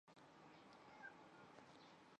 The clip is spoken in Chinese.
我怕会等很久